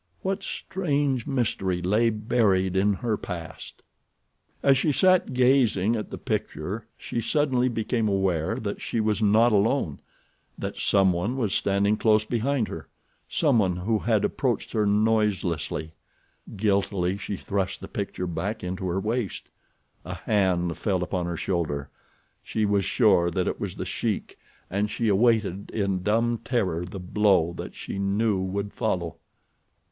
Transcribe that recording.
What strange mystery lay buried in her past? As she sat gazing at the picture she suddenly became aware that she was not alone—that someone was standing close behind her—some one who had approached her noiselessly. Guiltily she thrust the picture back into her waist. A hand fell upon her shoulder. She was sure that it was The Sheik and she awaited in dumb terror the blow that she knew would follow.